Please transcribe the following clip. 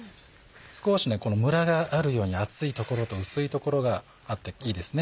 少しムラがあるように厚い所と薄い所があっていいですね。